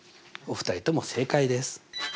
お二人とも正解です。